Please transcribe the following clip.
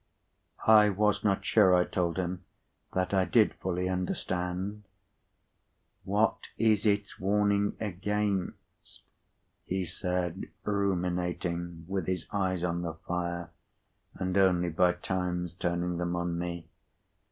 I was not sure, I told him, that I did fully understand. "What is its warning against?" he said, ruminating, with his eyes on the fire, and only by times turning them on me.